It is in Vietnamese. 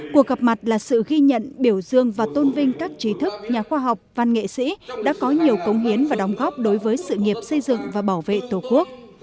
cuộc gặp mặt là sự ghi nhận biểu dương và tôn vinh các trí thức nhà khoa học văn nghệ sĩ đã có nhiều công hiến và đóng góp đối với sự nghiệp xây dựng và bảo vệ tổ quốc